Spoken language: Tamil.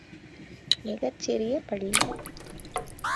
மிகச் சிறிய பள்ளி.